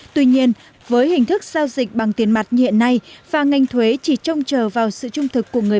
tuy nhiên với hình thức giao dịch bằng tiền mặt như hiện nay